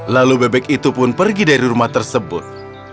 lalu bebek itu pun pergi dari rumah tersebut